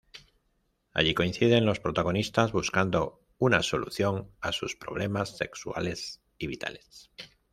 Allí coinciden los protagonistas buscando una solución a sus problemas sexuales y vitales.